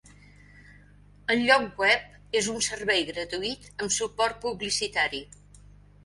El lloc web és un servei gratuït amb suport publicitari.